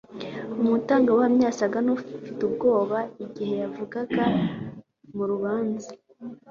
umutangabuhamya ntiyasaga nkufite ubwoba igihe yavugaga mu rubanza